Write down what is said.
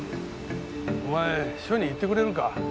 お前署にいてくれるか？